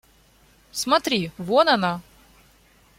Смотри, вон она!